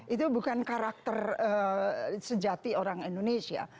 itu bukan karakter sejati orang indonesia